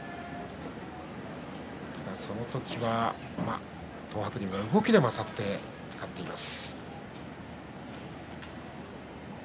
ただ、その時は東白龍が動きで勝って、勝っています。